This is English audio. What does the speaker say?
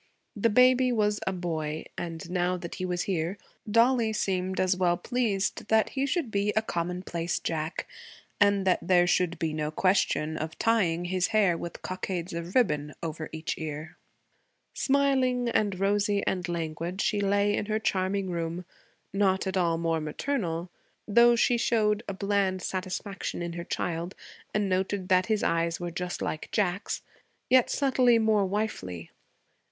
The baby was a boy, and now that he was here, Dollie seemed as well pleased that he should be a commonplace Jack, and that there should be no question of tying his hair with cockades of ribbon over each ear. Smiling and rosy and languid, she lay in her charming room, not at all more maternal, though she showed a bland satisfaction in her child and noted that his eyes were just like Jack's, yet subtly more wifely.